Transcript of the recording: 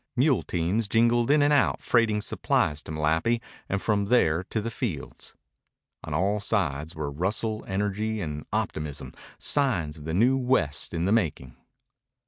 Mule teams jingled in and out freighting supplies to Malapi and from there to the fields. On all sides were rustle, energy, and optimism, signs of the new West in the making.